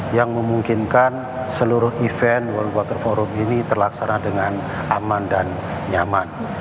yang memungkinkan seluruh event world water forum ini terlaksana dengan aman dan nyaman